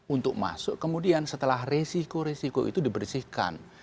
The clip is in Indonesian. untuk masuk kemudian setelah resiko resiko itu dibersihkan